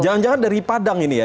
jangan jangan dari padang ini ya